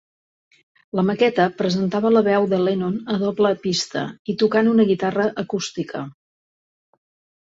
La maqueta presentava la veu de Lennon a doble pista i tocant una guitarra acústica.